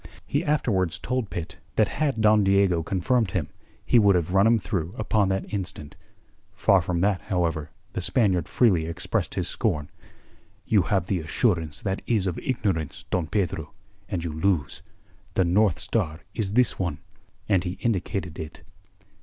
He afterwards told Pitt that had Don Diego confirmed him, he would have run him through upon that instant. Far from that, however, the Spaniard freely expressed his scorn. "You have the assurance that is of ignorance, Don Pedro; and you lose. The North Star is this one." And he indicated it.